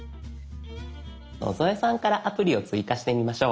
野添さんからアプリを追加してみましょう。